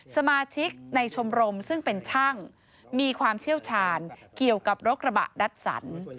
สมาชิกในชมรมซึ่งเป็นช่างมีความเชี่ยวชาญเกี่ยวกับรถกระบะดัสสัน